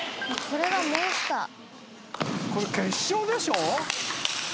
これ決勝でしょ？